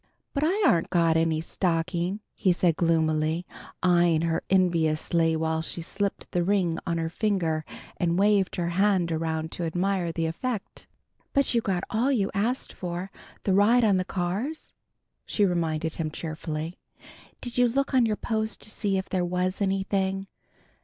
"But I aren't got any stocking," he said gloomily, eyeing her enviously while she slipped the ring on her finger and waved her hand around to admire the effect. "But you got all you asked for: the ride on the cars," she reminded him cheerfully. "Did you look on your post to see if there was anything?"